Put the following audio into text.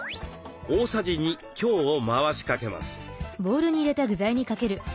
大さじ２強を回しかけます。